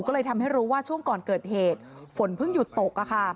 ก็เลยทำให้รู้ว่าช่วงก่อนเกิดเหตุฝนเพิ่งหยุดตก